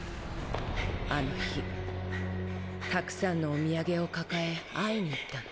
あの日たくさんのお土産を抱え会いに行ったの。